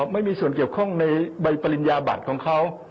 ไม่มีส่วนเกี่ยวข้องในใบปริญญาบัตรของเขา